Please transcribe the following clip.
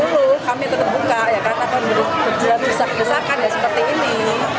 ya karena kami belum berjualan susah busakan seperti ini